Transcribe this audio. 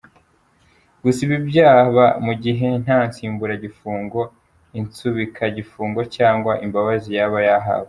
Gusa ibi byaba mu gihe nta nsimburagifungo, insubikagifungo cyangwa imbabazi yaba yahawe.